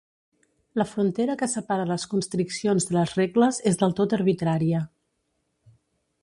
La frontera que separa les constriccions de les regles és del tot arbitrària.